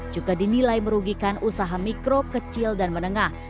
juga dinilai merugikan usaha mikro kecil dan menengah